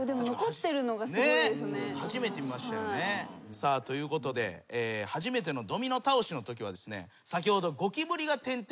さあということで初めてのドミノ倒しのときはですね先ほど。